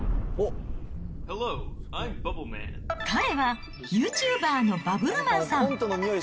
彼はユーチューバーのバブルマンさん。